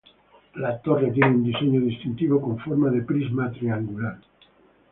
La torre tiene un diseño distintivo con forma de prisma triangular.